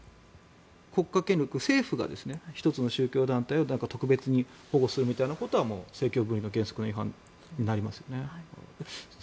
国家権力、政府が１つの宗教団体を特別に保護するみたいなことは政教分離の原則違反になりますね。